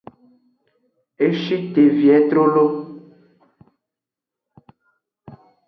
E shi te vie trolo.